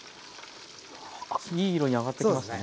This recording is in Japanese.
あっいい色に揚がってきましたね。